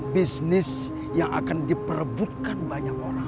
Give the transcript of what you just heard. bisnis yang akan diperebutkan banyak orang